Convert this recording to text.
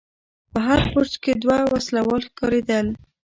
په هر برج کې دوه وسلوال ښکارېدل.